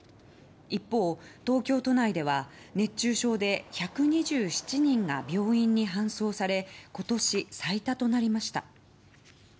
一方、東京都内では熱中症で１２７人が病院に搬送され今年最多となりました。